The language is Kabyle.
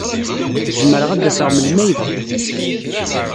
Zemreɣ ad d-aseɣ melmi ay bɣiɣ.